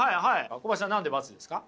小林さん何で×ですか？